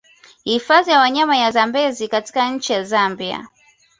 Hifadhi ya wanyama ya Zambezi katika nchi ya Zambia